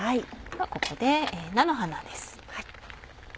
ここで菜の花です。